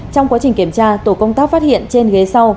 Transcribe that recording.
trong quá trình kiểm tra tổ công tác phát hiện trên ghế sau